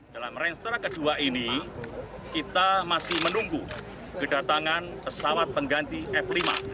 dalam ranstra kedua ini kita masih menunggu kedatangan pesawat pengganti f lima